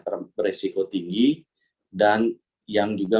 teresiko tinggi dan yang juga